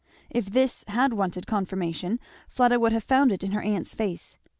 If this had wanted confirmation Fleda would have found it in her aunt's face.